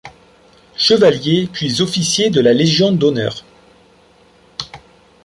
Chevalier puis officier de la Légion d'honneur.